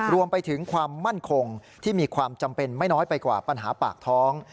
รวมไปถึงความมั่นคงที่มีความจำเป็นไม่น้อยไปกว่าปัญหาปากท้อง